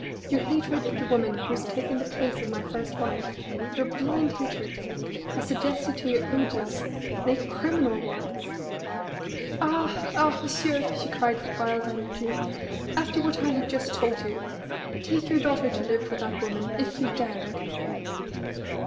Your hatred of the woman who has taken the place of my first wife your blind hatred has suggested to you odious, nay! criminal words." "Ah! Ah! Monsieur", she cried with wild energy. "After what I have just told you, take your daughter to live with that woman if you dare."